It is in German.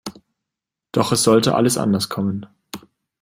Doch es sollte alles anders kommen.